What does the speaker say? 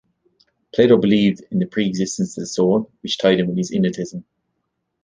Plato believed in the pre-existence of the soul, which tied in with his innatism.